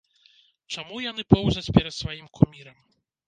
Чаму яны поўзаць перад сваім кумірам?